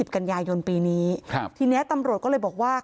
กันยายนปีนี้ทีนี้ตำรวจก็เลยบอกว่า